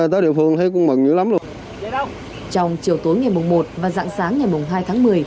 trong chiều tối ngày mùng một và dặn sáng ngày mùng hai tháng một mươi